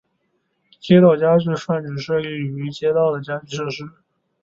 街道家具泛指所有设立于街道的家具设施。